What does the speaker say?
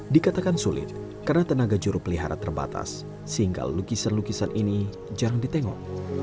dikatakan sulit karena tenaga juru pelihara terbatas sehingga lukisan lukisan ini jarang ditengok